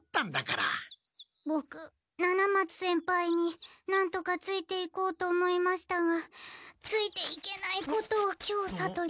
ボク七松先輩になんとかついていこうと思いましたがついていけないことを今日さとりました。